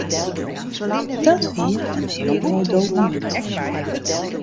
Dat wie in heel moai dokumint.